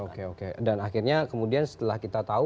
oke oke dan akhirnya kemudian setelah kita tahu